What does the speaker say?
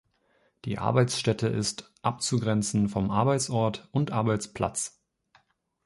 Die Arbeitsstätte ist abzugrenzen von Arbeitsort und Arbeitsplatz.